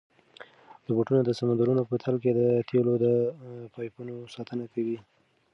روبوټونه د سمندرونو په تل کې د تېلو د پایپونو ساتنه کوي.